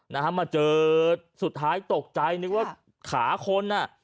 นะฮะมาเจอสุดท้ายตกใจนึกว่าขาคนอ่ะ